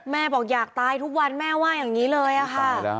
บอกอยากตายทุกวันแม่ว่าอย่างนี้เลยอะค่ะ